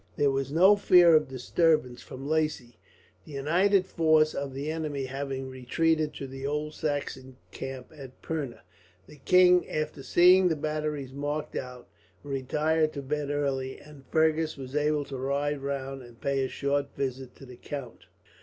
There was no fear of disturbance from Lacy, the united force of the enemy having retreated to the old Saxon camp at Pirna. The king, after seeing the batteries marked out, retired to bed early; and Fergus was able to ride round and pay a short visit to the count.